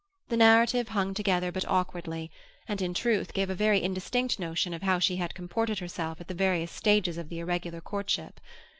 The narrative hung together but awkwardly, and in truth gave a very indistinct notion of how she had comported herself at the various stages of the irregular courtship.